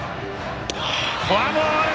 フォアボール！